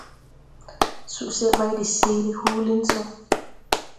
Suseʼ bày de seele huulin so.